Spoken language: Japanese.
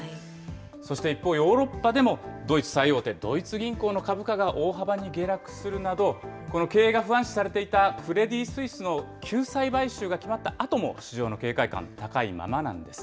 そして一方、ヨーロッパでも、ドイツ最大手、ドイツ銀行の株価が大幅に下落するなど、この経営が不安視されていたクレディ・スイスの救済買収が決まったあとも、市場の警戒感、高いままなんです。